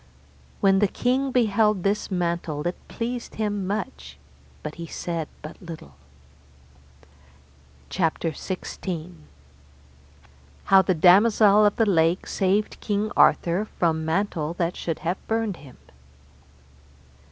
When the king beheld this mantle it pleased him much, but he said but little. CHAPTER XVI. How the Damosel of the Lake saved King Arthur from mantle that should have burnt him.